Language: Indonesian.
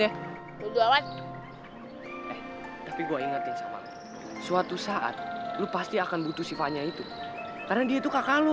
ya tapi gue ingetin suatu saat lu pasti akan butuh sifatnya itu karena dia itu kakak lu